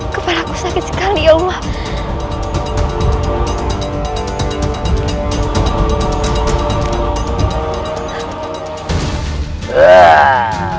kepalaku sakit sekali ya umam